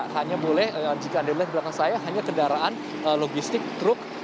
hanya boleh jika anda melihat di belakang saya hanya kendaraan logistik truk